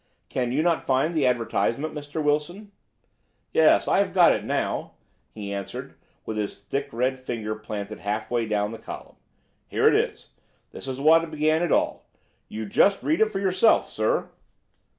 Can you not find the advertisement, Mr. Wilson?" "Yes, I have got it now," he answered with his thick red finger planted halfway down the column. "Here it is. This is what began it all. You just read it for yourself, sir."